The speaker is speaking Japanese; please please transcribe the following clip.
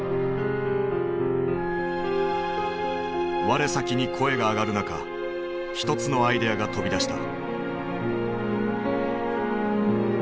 我先に声が上がる中一つのアイデアが飛び出した。